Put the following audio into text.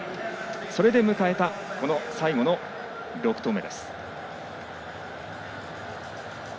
それで迎えた最後の６投目。